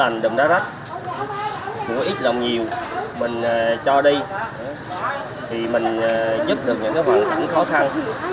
cũng có ít lòng nhiều mình cho đi thì mình giúp được những cái hoàn cảnh khó khăn